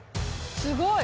すごい！